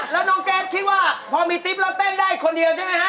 แล้วน้องแก๊สคิดว่าพอมีติ๊บแล้วเต้นได้คนเดียวใช่ไหมฮะ